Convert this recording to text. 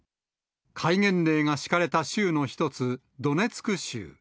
戒厳令が敷かれた州の一つ、ドネツク州。